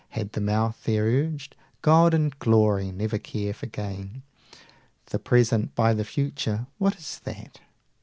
Had the mouth there urged "God and the glory! never care for gain. The present by the future, what is that?